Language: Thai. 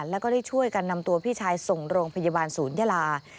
แล้วก็ได้ช่วยกันนำตัวพี่ชายส่งโรงพยาบาลศูนยาลา